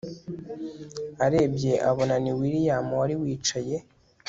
arebye abona ni william wari wicaye